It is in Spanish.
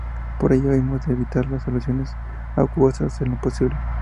Por ello hemos de evitar las soluciones acuosas en lo posible.